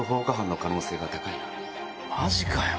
マジかよ！